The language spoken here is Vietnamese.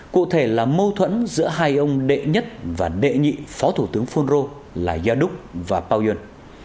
cụ thể là mâu thuẫn giữa hai ông đệ nhất và đệ nhị phó thủ tướng phun rô là gia đúc và pao duân